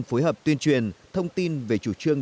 phối hợp tuyên truyền thông tin về chủ trương